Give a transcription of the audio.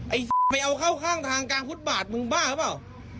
ไอ้ไปเอาเข้าข้างทางกลางฟุตบาทมึงบ้าหรือเปล่า